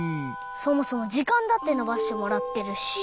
そもそもじかんだってのばしてもらってるし。